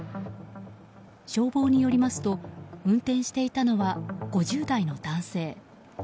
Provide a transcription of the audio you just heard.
消防によりますと運転していたのは５０代の男性。